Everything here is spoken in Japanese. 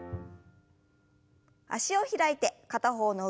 脚を開いて片方の腕を上に。